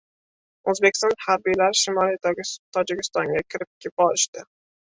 O‘zbekiston harbiylari shimoliy Tojikistonga kirib borishdi